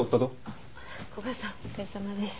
あっ古賀さんお疲れさまです。